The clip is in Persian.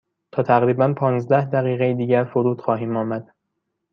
تا تقریبا پانزده دقیقه دیگر فرود خواهیم آمد.